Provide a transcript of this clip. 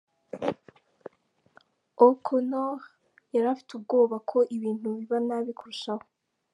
O’Connor yari afite ubwoba ko ibintu biba nabi kurushaho.